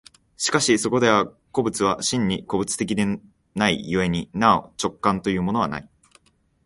しかしそこでは個物は真に個物的ではない故になお直観というものはない。